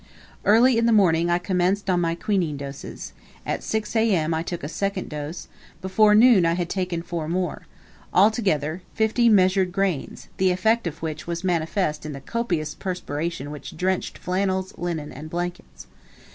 Early in the morning I commenced on my quinine doses; at 6 A.M. I took a second dose; before noon I had taken four more altogether, fifty measured grains the effect of which was manifest in the copious perspiration which drenched flannels, linen, and blankets.